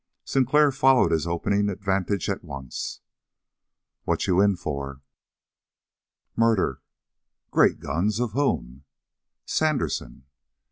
Sinclair followed his opening advantage at once. "What you in for?" "Murder!" "Great guns! Of whom?" "Sandersen."